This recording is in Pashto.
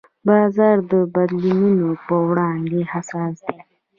بازار د بدلونونو په وړاندې حساس دی.